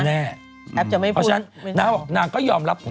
แอปจะไม่พูด